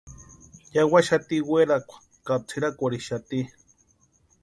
Yawaxati werhakwa ka tsʼirakwarhixati.